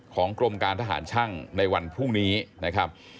กรมการทหารช่างในวันพรุ่งนี้นะครับ